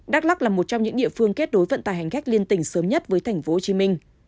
đắk lắc là một trong những địa phương kết nối vận tải hành khách liên tình sớm nhất với tp hcm